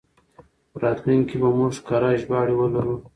په راتلونکي کې به موږ کره ژباړې ولرو.